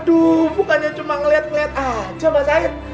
aduh bukannya cuma ngeliat ngeliat aja mas said